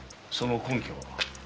その根拠は？